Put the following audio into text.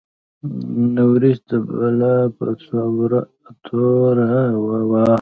بوریس د بلا په توره وواهه.